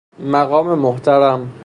مقام محترم